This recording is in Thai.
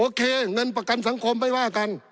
เงินประกันสังคมไม่ว่ากัน